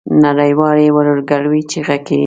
نړۍ والي ورورګلوی چیغه کوي.